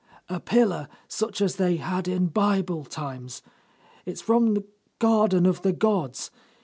"A pillar, such as they had in Bible times. It's from the Garden of the Gods.